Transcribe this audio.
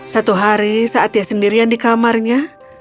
satu hari saat dia sendirian di kamarnya